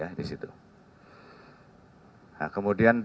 nah kemudian tim mengisir dia menemukan ya itu ya itu